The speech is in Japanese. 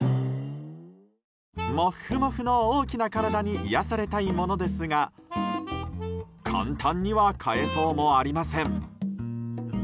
もふもふの大きな体に癒やされたいものですが簡単には飼えそうもありません。